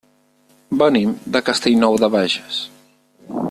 Venim de Castellnou de Bages.